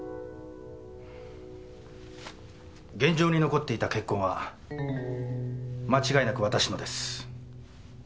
現場に残っていた血痕は間違いなく私のです。